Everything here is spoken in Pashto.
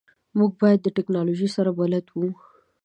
موږ باید د تکنالوژی سره بلد وو